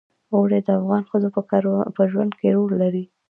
اوړي د افغان ښځو په ژوند کې رول لري.